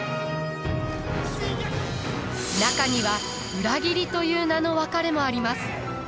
中には裏切りという名の別れもあります。